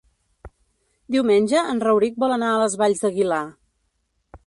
Diumenge en Rauric vol anar a les Valls d'Aguilar.